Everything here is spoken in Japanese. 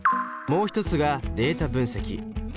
もう一つがデータ分析。